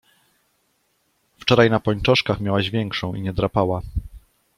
Wczoraj na pończoszkach miałaś większą i nie drapała.